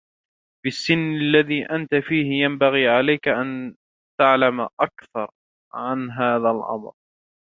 في السن الذي أنت فيه ينبغي عليك أن تعلم أكثر عن هذا الأمر.